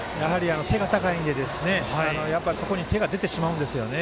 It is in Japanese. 背が高いのでそこに手が出てしまうんですよね。